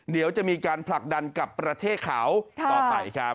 เดี๋ยวจะมีการผลักดันกับประเทศเขาต่อไปครับ